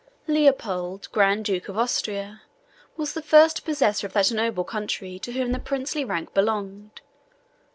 Leopold, Grand Duke of Austria, was the first possessor of that noble country to whom the princely rank belonged.